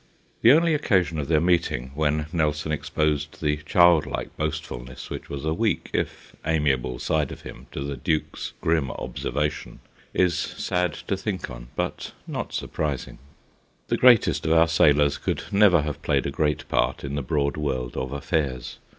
The only occasion of their meeting, when Nelson exposed the childlike boastfulness which CONGENIAL 177 was a weak if amiable side of him to the Duke's grim observation, is sad to think on, but not surprising. The greatest of our sailors could never have played a great part in the broad world of affairs.